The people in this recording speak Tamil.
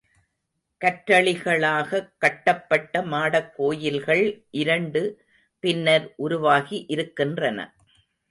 கற்றளிகளாகக் கட்டப்பட்ட மாடக் கோயில்கள் இரண்டு பின்னர் உருவாகி இருக்கின்றன.